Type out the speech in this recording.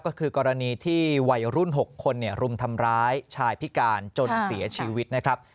ก็คือกรณีที่วัยรุ่น๖คนรุมทำร้ายชายพิการจนเสียชีวิตนะครับ